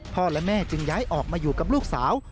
และแม่จึงย้ายออกมาอยู่กับลูกสาว